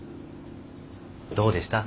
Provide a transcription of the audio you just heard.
どうでした？